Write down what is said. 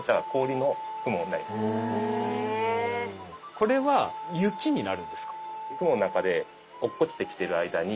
これは雪になるんですか？